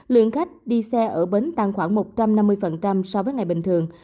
lượng khách đi xe ở bến tăng khoảng một trăm năm mươi so với ngày bình thường